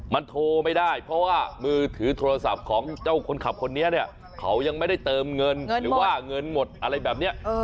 มันโทรไม่ได้เพราะว่ามือถือโทรศัพท์ของเจ้าคนขับคนนี้เนี่ย